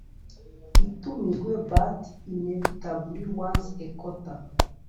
itumijwe but inevitably once a quarter